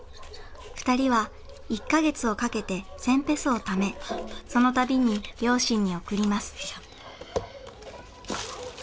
２人は１か月をかけて１，０００ペソを貯めその度に両親に送ります。